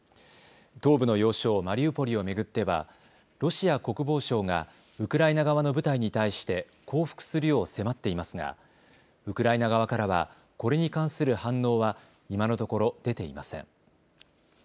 東部の要衝マリウポリを巡ってはロシア国防省がウクライナ側の部隊に対して降伏するよう迫っていますがウクライナ側からはこれに関する反応は今のところ出ていません。